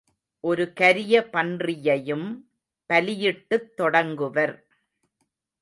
ஒரு கரிய பன்றியையும் பலியிட்டுத் தொடங்குவர்.